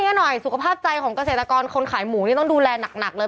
นี่หน่อยสุขภาพใจของเกษตรกรคนขายหมูนี่ต้องดูแลหนักเลย